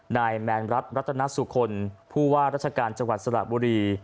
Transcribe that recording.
นายแมนรัฐรัตนสุคลผู้ว่าราชการจังหวัดสระบุรี